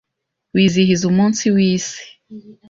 Wizihiza umunsi wisi?